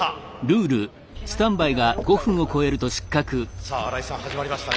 さあ新井さん始まりましたね